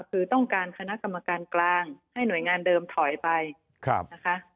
คือต้องการคณะกรรมการกลางให้หน่วยงานเดิมถอยไปนะคะ